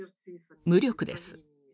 無力です。